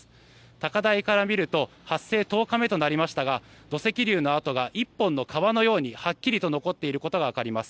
高台から見ると発生１０日目となりましたが土石流の跡が一本の川のようにはっきり残っていることがわかります。